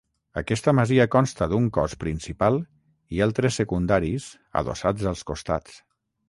Aquesta masia consta d'un cos principal i altres secundaris adossats als costats.